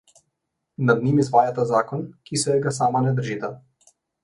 Nad njim izvajata zakon, ki se ga sama ne držita.